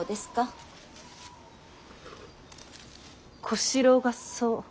小四郎がそう。